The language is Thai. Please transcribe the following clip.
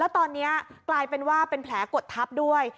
ตอนนี้กลายเป็นว่าเป็นแผลกดทับด้วย